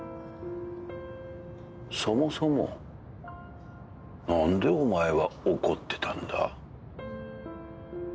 そもそも何でお前は怒ってたんだ？